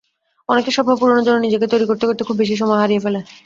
অনেকে স্বপ্ন পূরণের জন্য নিজেকে তৈরি করতে করতে খুব বেশি সময় হারিয়ে ফেলে।